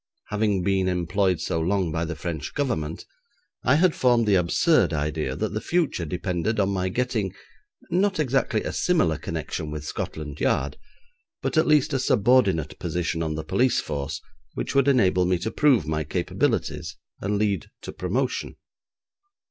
Having been employed so long by the French Government, I had formed the absurd idea that the future depended on my getting, not exactly a similar connection with Scotland Yard, but at least a subordinate position on the police force which would enable me to prove my capabilities, and lead to promotion.